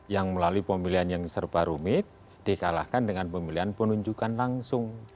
yang melalui pemilihan yang serba rumit dikalahkan dengan pemilihan penunjukan langsung